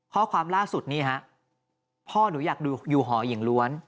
ข้อความล่าสุดนี่ฮะพ่อหนูอยากอยู่หออย่างล้วน